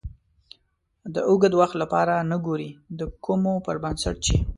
د اوږد وخت لپاره نه ګورئ د کومو پر بنسټ چې